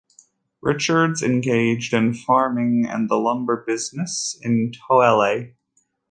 Richards engaged in farming and the lumber business in Tooele.